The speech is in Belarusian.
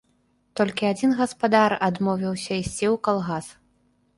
Толькі адзін гаспадар адмовіўся ісці ў калгас.